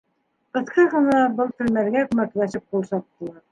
Ҡыҫҡа ғына был телмәргә күмәкләшеп ҡул саптылар.